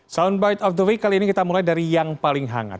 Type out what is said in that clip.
salam baik kali ini kita mulai dari yang paling hangat